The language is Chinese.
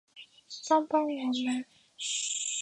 帮帮我们